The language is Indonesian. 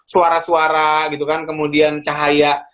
suara suara gitu kan kemudian cahaya